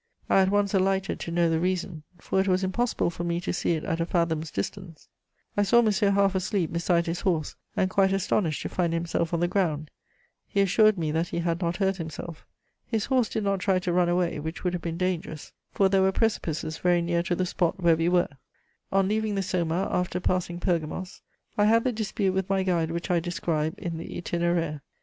I at once alighted to know the reason, for it was impossible for me to see it at a fathom's distance. I saw Monsieur half asleep beside his horse, and quite astonished to find himself on the ground; he assured me that he had not hurt himself. His horse did not try to run away, which would have been dangerous, for there were precipices very near to the spot where we were." On leaving the Soma, after passing Pergamos, I had the dispute with my guide which I describe in the _Itinéraire.